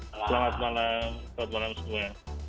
selamat malam selamat malam semua